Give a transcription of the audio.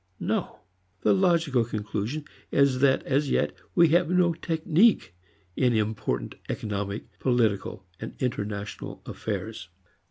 No, the logical conclusion is that as yet we have no technique in important economic, political and international affairs.